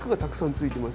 ついてます